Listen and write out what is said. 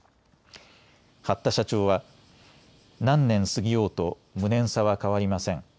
八田社長は何年過ぎようと無念さは変わりません。